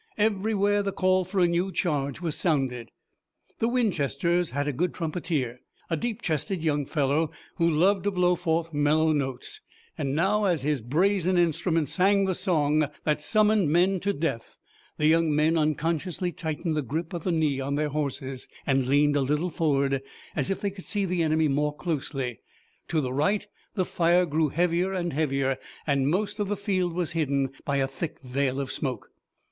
Everywhere the call for a new charge was sounded. The Winchesters had a good trumpeter, a deep chested young fellow who loved to blow forth mellow notes, and now as his brazen instrument sang the song that summoned men to death the young men unconsciously tightened the grip of the knee on their horses, and leaned a little forward, as if they would see the enemy more closely. To the right the fire grew heavier and heavier, and most of the field was hidden by a thick veil of smoke.